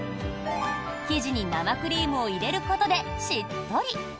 生地に生クリームを入れることでしっとり。